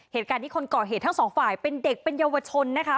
เหตุการณ์ที่คนก่อเหตุทั้งสองฝ่ายเป็นเด็กเป็นเยาวชนนะคะ